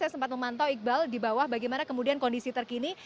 saya sempat memantau iqbal di bawah bagaimana kemudian kondisi terkini